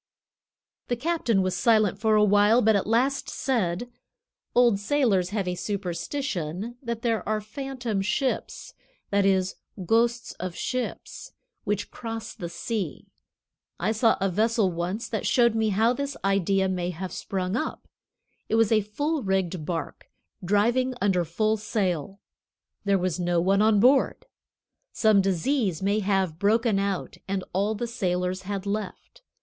The captain was silent for a while, but at last said: "Old sailors have a superstition that there are phantom ships (that is, ghosts of ships) which cross the sea. I saw a vessel once that showed me how this idea may have sprung up. It was a full rigged bark, driving under full sail. There was no one on board. Some disease may have broken out, and all the sailors had left.